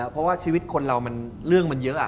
เพราะว่าชีวิตคนเรามันเรื่องมันเยอะ